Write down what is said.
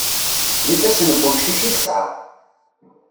D ifassen n wemcic i yesɛa.